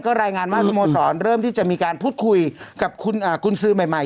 รายงานว่าสโมสรเริ่มที่จะมีการพูดคุยกับกุญสือใหม่